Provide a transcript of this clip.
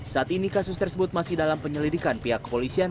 saat ini kasus tersebut masih dalam penyelidikan pihak kepolisian